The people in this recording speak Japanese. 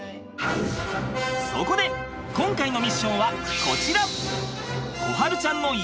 そこで今回のミッションはこちら！